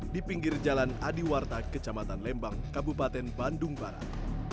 di pinggir jalan adiwarta kecamatan lembang kabupaten bandung barat